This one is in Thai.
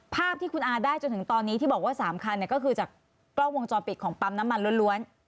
ภาพที่คุณอาได้จนถึงตอนนี้ที่บอกว่า๓คันก็คือจากกล้องวงจรปิดของปั๊มน้ำมันล้วน